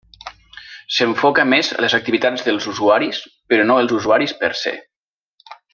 S'enfoca més en les activitats dels usuaris però no els usuaris per se.